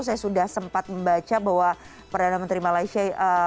saya sudah sempat membaca bahwa perdana menteri malaysia